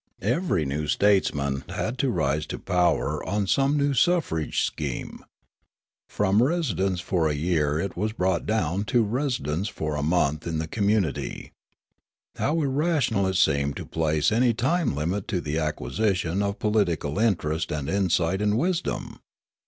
Every new statesman had to rise to power on some new suffrage scheme. From residence for a year it was brought down to residence for a month in the conmiutiit3\ How irrational it seemed to place any time limit to the acquisition of political interest and insight and wisdom